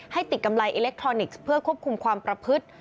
ติดกำไรอิเล็กทรอนิกส์เพื่อควบคุมความประพฤติ